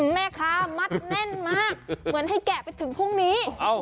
แม่ค้ามัดแน่นมากเหมือนให้แกะไปถึงพรุ่งนี้